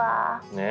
ねえ。